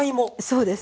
そうです。